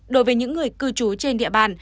đối với những người cư trú trên địa bàn